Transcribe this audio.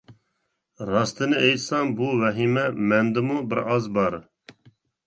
-راستىنى ئېيتسام، بۇ ۋەھىمە مەندىمۇ بىر ئاز بار.